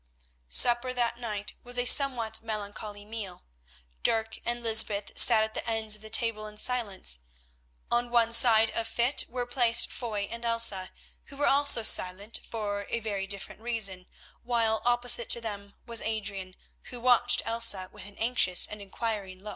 Supper that night was a somewhat melancholy meal. Dirk and Lysbeth sat at the ends of the table in silence. On one side of fit were placed Foy and Elsa, who were also silent for a very different reason, while opposite to them was Adrian, who watched Elsa with an anxious and inquiring eye.